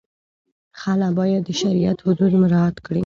خلع باید د شریعت حدود مراعت کړي.